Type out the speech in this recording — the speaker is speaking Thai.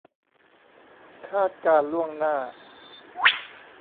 คาดการณ์ล่วงหน้า